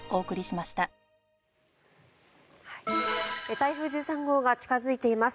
台風１３号が近付いています。